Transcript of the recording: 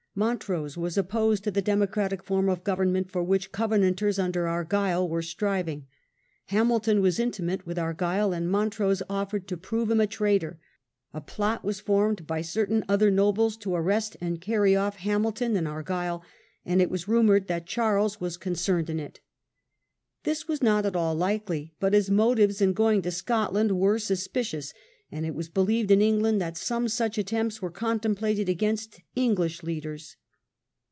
Mon trose was opposed to the democratic form of government for which Covenanters under Argyle were striving. Hamilton was intimate with Argyle, and Montrose offered to prove him a traitor; a plot was formed by certain other nobles to arrest and carry off Hamilton and Argyle, and it was rumoured that Charles was concerned in it. This was not at all likely, but his motives in going to Scotland were suspicious, and it was believed in Eng land that some such attempts were contemplated against English leaders.